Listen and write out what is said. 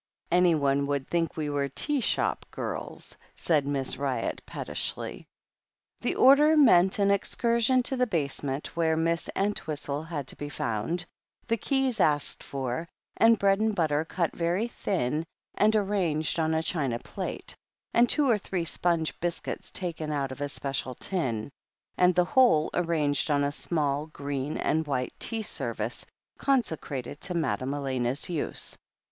"Anyone would think we were tea shop girls/' said Miss Ryott pettishly. The order meant an excursion to the basement, where Mrs. Entwhistle had to be found, the keys asked for, and bread and butter cut very thin and arranged on a china plate, and two or three sponge biscuits taken out of a special tin, and the whole arranged on a small green and white tea service consecrated to Madame Elena's use.